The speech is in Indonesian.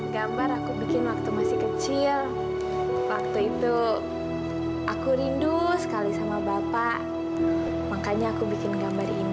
sampai jumpa di video selanjutnya